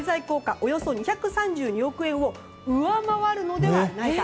およそ２３２億円を上回るのではないか。